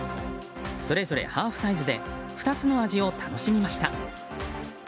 それぞれハーフサイズで２つの味を楽しみました。